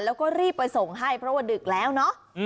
แล้วก็รีบไปส่งให้เพราะว่าดึกแล้วเนาะ